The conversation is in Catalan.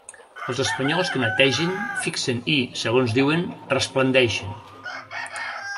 Els espanyols que netegen, fixen i, segons diuen, resplendeixen.